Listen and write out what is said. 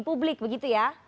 publik begitu ya